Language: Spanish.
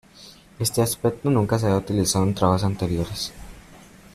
Este aspecto nunca se había utilizado en trabajos anteriores.